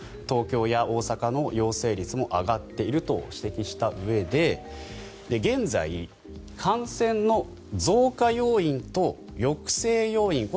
東京や大阪の陽性率も上がっていると指摘したうえで現在、感染の増加要因と抑制要因